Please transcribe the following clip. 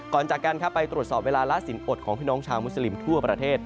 จากกันไปตรวจสอบเวลาละสินอดของพี่น้องชาวมุสลิมทั่วประเทศ